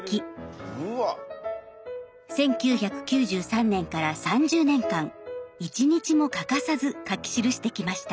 １９９３年から３０年間一日も欠かさず書き記してきました。